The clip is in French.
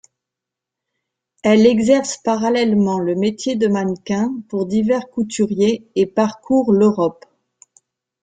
Elle exerce parallèlement le métier de mannequin pour divers couturiers et parcourt l'Europe.